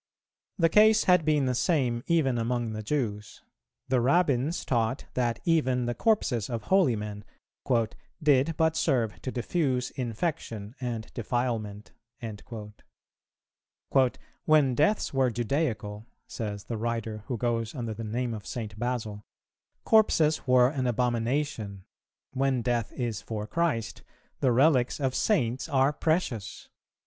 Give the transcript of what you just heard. The case had been the same even among the Jews; the Rabbins taught, that even the corpses of holy men "did but serve to diffuse infection and defilement." "When deaths were Judaical," says the writer who goes under the name of St. Basil, "corpses were an abomination; when death is for Christ, the relics of Saints are precious.